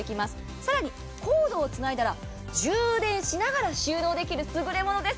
更にコードをつないだら充電しながら収納できるすぐれものです。